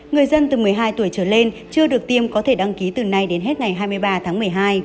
người dân từ một mươi hai tuổi trở lên chưa được tiêm có thể đăng ký từ nay đến hết ngày hai mươi ba tháng một mươi hai